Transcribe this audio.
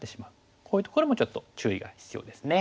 こういうところもちょっと注意が必要ですね。